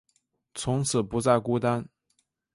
从此不再孤单